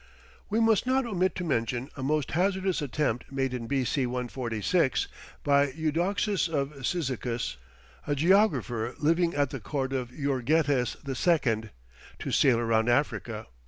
We must not omit to mention a most hazardous attempt made in B.C. 146, by Eudoxus of Cyzicus, a geographer living at the court of Euergetes II, to sail round Africa.